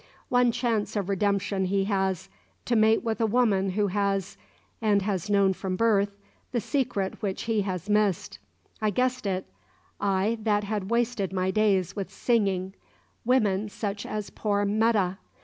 One chance of redemption he has to mate with a woman who has, and has known from birth, the secret which he has missed. I guessed it I that had wasted my days with singing women, such as poor 'Metta!